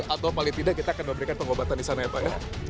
atau paling tidak kita akan memberikan pengobatan di sana ya pak ya